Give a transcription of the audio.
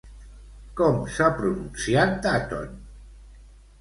Com s'ha pronunciat, Dutton?